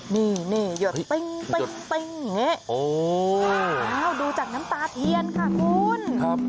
นี่นี่หยดติ้งติ้งติ้งอย่างเงี้ยโอ้ดูจากน้ำตาเทียนค่ะคุณครับ